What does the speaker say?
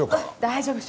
大丈夫。